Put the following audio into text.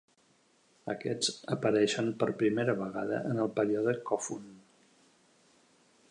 Aquests apareixen per primera vegada en el període Kofun.